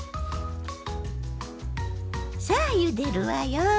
さあゆでるわよ。